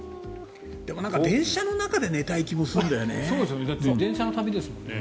でも電車の中で寝たい気もするんだよね。